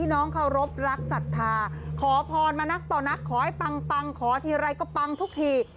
น้องเคารพรักศรัทธาขอพรมานักต่อนักขอให้ปังขอทีไรก็ปังทุกที